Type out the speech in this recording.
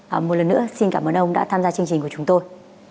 và một lần nữa xin cảm ơn ông đã tham gia chương trình của chúng tôi